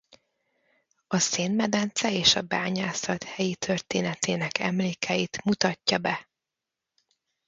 A szénmedence és a bányászat helyi történetének emlékeit mutatja be.